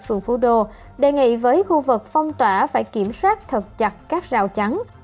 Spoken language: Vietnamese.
phường phú đô đề nghị với khu vực phong tỏa phải kiểm soát thật chặt các rào chắn